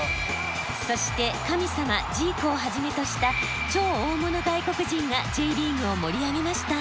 そして神様ジーコをはじめとした超大物外国人がＪリーグを盛り上げました。